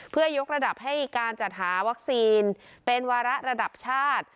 เพื่อยกระดับให้การจัดหาวัคซีนเป็นวาระระดับชาติ